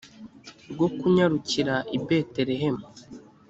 rwo kunyarukira i betelehemu